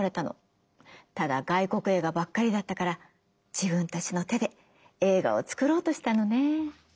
ただ外国映画ばっかりだったから自分たちの手で映画を作ろうとしたのね。